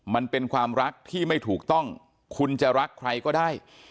มันเป็นความรักที่ไม่ถูกต้องคุณจะรักใครก็ได้